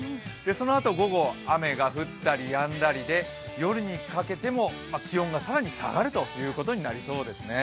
そのあと午後、雨が降ったりやんだりで夜にかけても気温が更に下がることになりそうです。